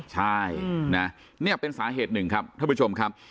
ใช่นะนี่เป็นสาเหตุหนึ่งครับท่านผู้ชมครับ